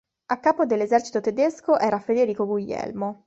A capo dell'esercito tedesco era Federico Guglielmo.